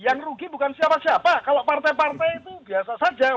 yang rugi bukan siapa siapa kalau partai partai itu biasa saja